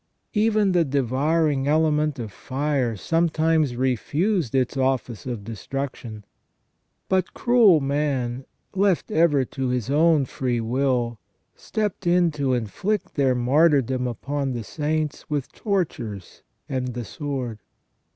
Even the devouring element of fire sometimes refused its oflSce of destruction. But cruel man, left ever to his own free will, stepped in to inflict their martyrdom upon the saints with tortures and the sword.